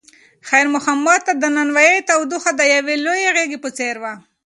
خیر محمد ته د نانوایۍ تودوخه د یوې لویې غېږې په څېر وه.